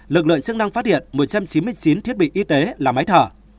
lực lượng chức năng phát hiện một trăm chín mươi chín thiết bị y tế là máy thở